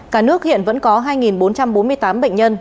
cả nước hiện vẫn có hai bốn trăm bốn mươi tám bệnh nhân